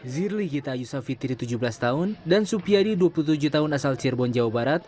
zirli gita ayusafitiri tujuh belas tahun dan supiadi dua puluh tujuh tahun asal cirebon jawa barat